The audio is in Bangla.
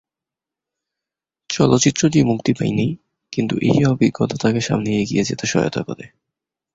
চলচ্চিত্রটি মুক্তি পায়নি, কিন্তু এই অভিজ্ঞতা তাকে সামনে এগিয়ে যেতে সহায়তা করে।